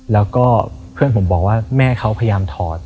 แล้วก็เพื่อนผมบอกว่าแม่เขาพยายามถอด